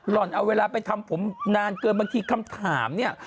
ห่อนเอาเวลาไปทำผมนานเกินบางทีคำถามเนี่ย